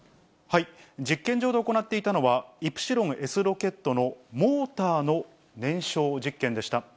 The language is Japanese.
実験場で行っていたのは、イプシロンＳロケットのモーターの燃焼実験でした。